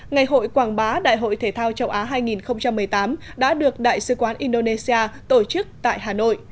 ngày hội quảng bá đại hội thể thao châu á hai nghìn một mươi tám đã được đại sứ quán indonesia tổ chức tại hà nội